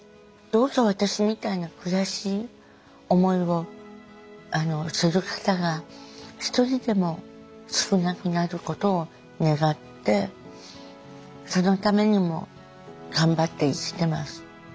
どうか私みたいな悔しい思いをする方が一人でも少なくなることを願ってそのためにも頑張って生きてます。